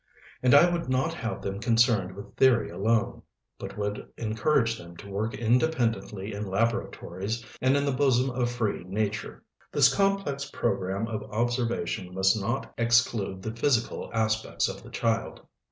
And I would not have them concerned with theory alone, but would encourage them to work independently in laboratories and in the bosom of free Nature. This complex program of observation must not exclude the physical aspects of the child.